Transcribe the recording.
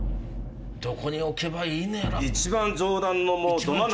どこに置けばいいのやら。